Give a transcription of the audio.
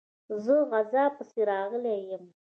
زه غزا پسي راغلی یم.